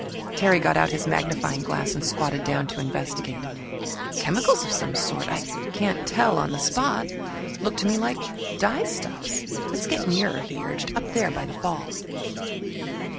Terry got out his magnifying glass and squatted down to investigate. "Chemicals of some sort I can't tell on the spot. Look to me like dyestuffs. Let's get nearer," he urged, "up there by the fall."